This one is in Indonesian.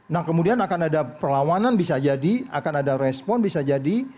nah kemudian akan ada perlawanan bisa jadi akan ada respon bisa jadi